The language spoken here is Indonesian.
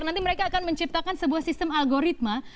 nanti mereka akan menciptakan sebuah sistem algoritma